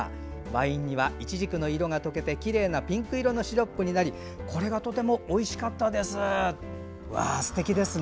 ワイン煮はいちじくの色が溶けてきれいなピンク色のシロップになりとてもおいしかったですよ。